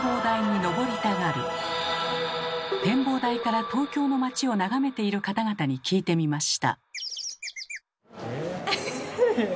展望台から東京の街を眺めている方々に聞いてみました。